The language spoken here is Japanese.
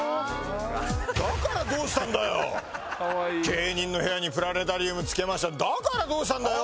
芸人の部屋にプラネタリウムつけましたってだからどうしたんだよ？